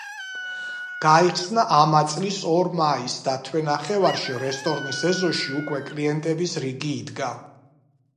გაიხსნა ამა წლის ორ მაისს და თვენახევარში რესტორნის ეზოში უკვე კლიენტების რიგი იდგა.